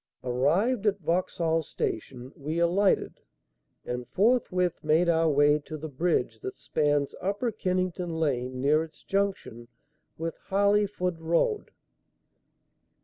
Arrived at Vauxhall Station, we alighted and forthwith made our way to the bridge that spans Upper Kennington Lane near its junction with Harleyford Road.